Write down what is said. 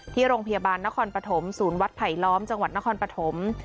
ที่โรงพยาบาลนครปฐมศูนย์วัดไผลล้อมจังหวัดนครปฐม